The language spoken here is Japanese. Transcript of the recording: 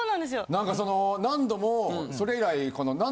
何かその何度もそれ以来。